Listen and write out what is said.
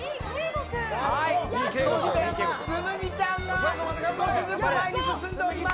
つむぎちゃんが少しずつ前に進んでおります！